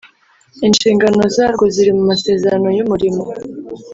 inshingano zarwo ziri mu masezerano y’umurimo